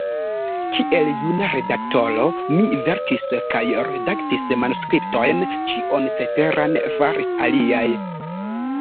Kiel juna redaktoro mi verkis kaj redaktis manuskriptojn; ĉion ceteran faris aliaj.